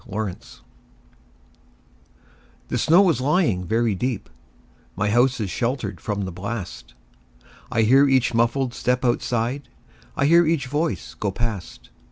Convention THE SNOW is lying very deep.My house is sheltered from the blast.I hear each muffled step outside,I hear each voice go past.